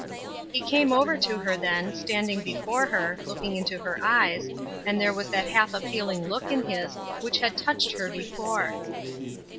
He came over to her then, standing before her, looking into her eyes, and there was that half appealing look in his which had touched her be fore.